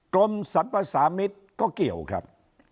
กรมสรรพสามิตรก็เกี่ยวครับ